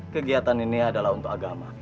kegiatan ini adalah untuk agama